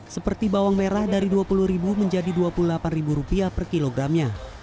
seperti bawang merah dari rp dua puluh menjadi rp dua puluh delapan per kilogramnya